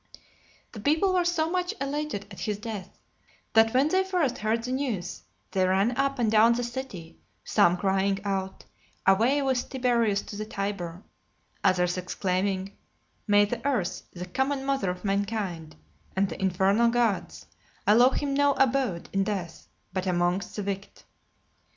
LXXV. The people were so much elated at his death, that when they first heard the news, they ran up and down the city, some crying out, "Away with Tiberius to the Tiber;" others exclaiming, "May the earth, the common mother of mankind, and the infernal gods, allow him no abode in death, but amongst the wicked."